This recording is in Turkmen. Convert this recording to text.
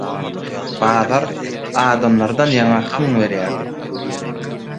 Bazar adamlardan ýaňa hyň berýärdi.